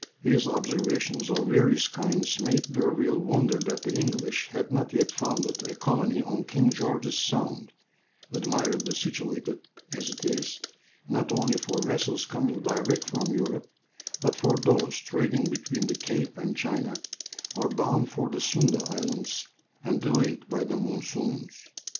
His observations of various kinds made D'Urville wonder that the English had not yet founded a colony on King George's Sound, admirably situated as it is, not only for vessels coming direct from Europe, but for those trading between the Cape and China, or bound for the Sunda Islands, and delayed by the monsoons.